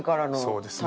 そうですね。